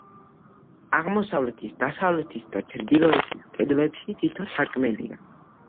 აღმოსავლეთის, დასავლეთის და ჩრდილოეთის კედლებში თითო სარკმელია.